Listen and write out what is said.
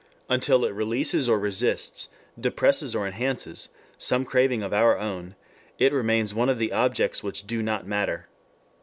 Until it releases or resists, depresses or enhances, some craving of our own, it remains one of the objects which do not matter.